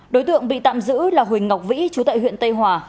đối tượng bị tạm giữ là huỳnh ngọc vĩ chú tại huyện tây hòa